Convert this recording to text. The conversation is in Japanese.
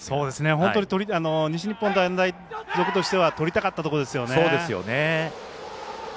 本当に西日本短大付属としては取りたかったところですよね。